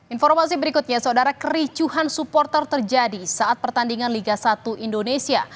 informasi berikutnya saudara kericuhan supporter terjadi saat pertandingan liga satu indonesia